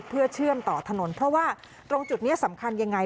เพื่อเชื่อมต่อถนนเพราะว่าตรงจุดนี้สำคัญยังไง